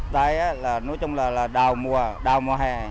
đây là nói chung là đào mùa đào mùa hè